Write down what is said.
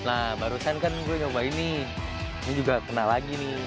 nah barusan kan gue nyobain nih ini juga kena lagi nih